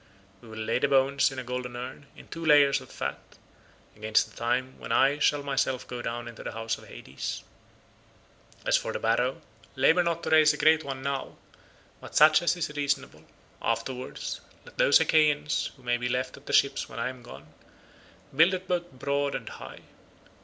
We will lay the bones in a golden urn, in two layers of fat, against the time when I shall myself go down into the house of Hades. As for the barrow, labour not to raise a great one now, but such as is reasonable. Afterwards, let those Achaeans who may be left at the ships when I am gone, build it both broad and high."